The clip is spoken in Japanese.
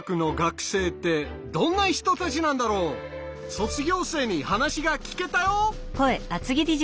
卒業生に話が聞けたよ。